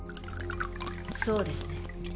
そうですね。